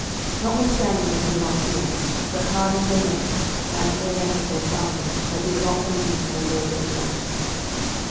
12:017:014 Notwithstanding they would not hear, but hardened their necks, like to the neck of their fathers, that did not believe in the LORD their God.